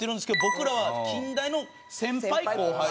僕らは近大の先輩後輩で。